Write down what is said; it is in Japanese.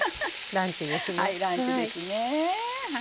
はいランチですね。